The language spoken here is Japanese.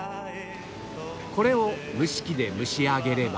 これを蒸し器で蒸し上げれば